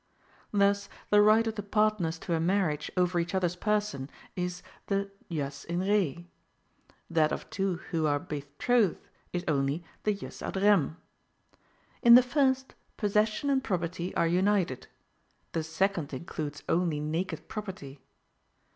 Thus the right of the partners to a marriage over each other's person is the jus in re; that of two who are betrothed is only the jus ad rem. In the first, possession and property are united; the second includes only naked property.